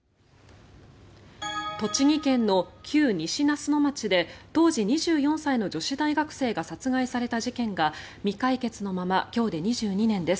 栃木県の旧西那須野町で当時２４歳の女子大学生が殺害された事件が未解決のまま今日で２２年です。